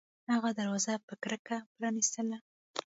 هغه دروازه په کرکه پرانیستله